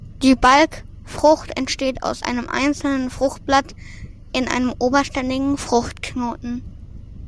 Die Balgfrucht entsteht aus einem einzelnen Fruchtblatt in einem oberständigen Fruchtknoten.